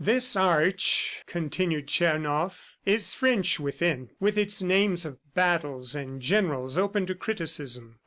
"This Arch," continued Tchernoff, "is French within, with its names of battles and generals open to criticism.